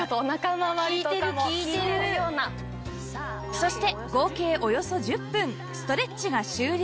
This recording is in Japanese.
そして合計およそ１０分ストレッチが終了